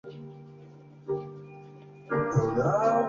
La composición le llevó justo más de un mes.